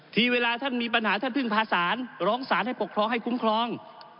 ทีเวลาท่านมีปัญหาท่านพึ่งพาสารร้องสารให้ปกครองให้คุ้มครอง